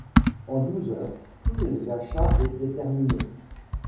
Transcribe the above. En douze heures, tous les achats étaient terminés.